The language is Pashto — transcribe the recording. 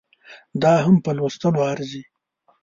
دا هم په لوستلو ارزي